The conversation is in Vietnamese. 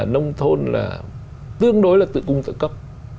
nông thôn là tương đối là tự cung tự cấp